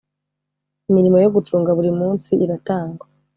imirimo yo gucunga buri munsi iratangwa.